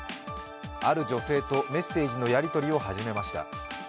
ある女性とメッセージのやり取りを始めました。